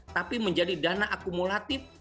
tapi menjadi dana akumulatif